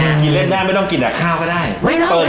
มันกินเล่นได้ไม่ต้องกินกาขาก็ได้เลยไม่ต้อง